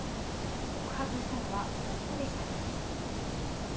告発したのは夫でした。